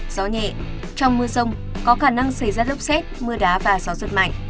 gió nhẹ trong mưa rông có khả năng xảy ra lốc xét mưa đá và gió giật mạnh